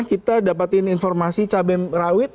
kita dapatin informasi cabai rawit